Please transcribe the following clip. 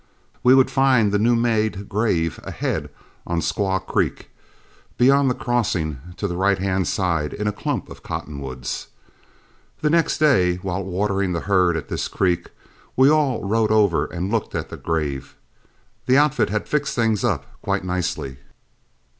We would find the new made grave ahead on Squaw Creek, beyond the crossing, to the right hand side in a clump of cottonwoods. The next day, while watering the herd at this creek, we all rode over and looked at the grave. The outfit had fixed things up quite nicely.